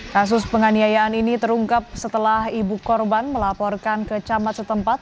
kasus penganiayaan ini terungkap setelah ibu korban melaporkan ke camat setempat